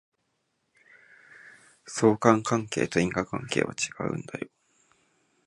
相関関係と因果関係は違うんだよ